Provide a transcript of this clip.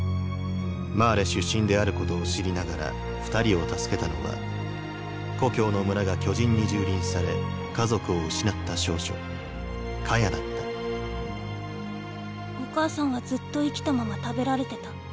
マーレ出身であることを知りながら二人を助けたのは故郷の村が巨人に蹂躙され家族を失った少女カヤだったお母さんはずっと生きたまま食べられてた。